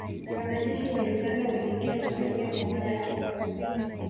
Wanajeshi wa Uganda waliingia Tanzania kwa mara ya kwanza